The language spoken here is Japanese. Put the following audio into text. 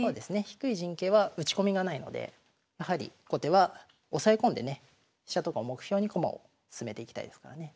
低い陣形は打ち込みがないのでやはり後手は押さえ込んでね飛車とかを目標に駒を進めていきたいですからね。